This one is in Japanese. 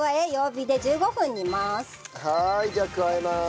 はーいじゃあ加えます。